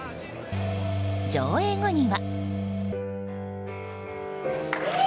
上映後には。